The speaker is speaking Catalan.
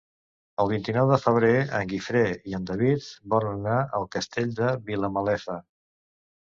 El vint-i-nou de febrer en Guifré i en David volen anar al Castell de Vilamalefa.